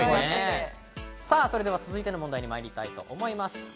それでは続いての問題に参りたいと思います。